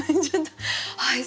はい。